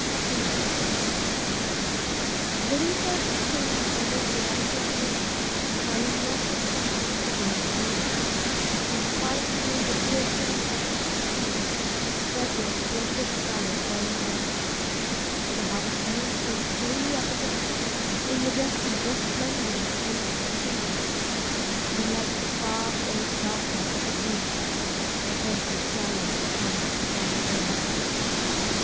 Httermatb HE reapers sing amid the ripened grain, While in the Autumn sun the sickles gleam, And far afield the silken poppies seem To spread their splendid scarlet all in vain; The harvest moon swings slowly up again In majesty resplendent and supreme. Then like the far, faint darkness of a dream, A purple twilight comes upon the plain.